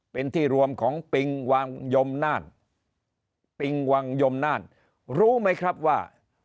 เป็นที่รวมของปิงวังยมน่านปิงวังยมน่านรู้ไหมครับว่า